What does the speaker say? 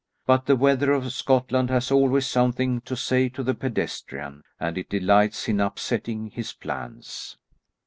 But the weather of Scotland has always something to say to the pedestrian, and it delights in upsetting his plans.